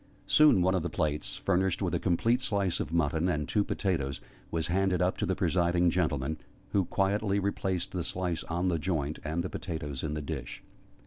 Soon one of the plates, furnished with a complete slice of mutton and two potatoes, was handed up to the presiding gentleman, who quietly replaced the slice on the joint, and the potatoes in the dish.